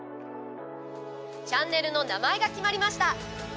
チャンネルの名前が決まりました。